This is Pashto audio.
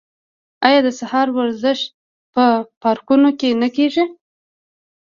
آیا د سهار ورزش په پارکونو کې نه کیږي؟